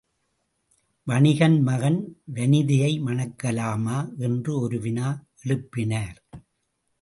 வணிகன் மகன் வனிதையை மணக்கலாமா என்று ஒரு வினா எழுப்பினர்.